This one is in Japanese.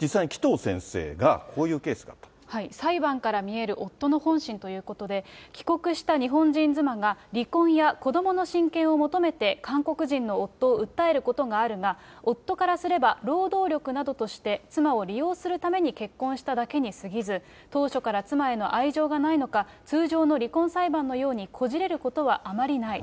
実際に紀藤先生がこういうケース裁判から見える夫の本心ということで、帰国した日本人妻が、離婚や子どもの親権を求めて韓国人の夫を訴えることがあるが、夫からすれば、労働力などとして妻を利用するために結婚しただけにすぎず、当初から妻への愛情がないのか、通常の離婚裁判のようにこじれることはあまりない。